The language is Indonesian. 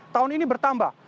tahun ini bertambah